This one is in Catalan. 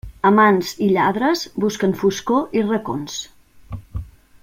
Amants i lladres busquen foscor i racons.